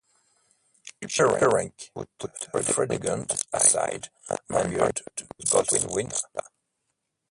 Chilperic put Fredegund aside and married Galswintha.